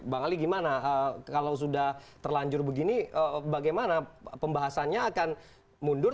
bang ali gimana kalau sudah terlanjur begini bagaimana pembahasannya akan mundur